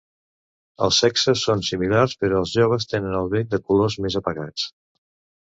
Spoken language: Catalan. Els sexes són similars, però els joves tenen el bec de colors més apagats.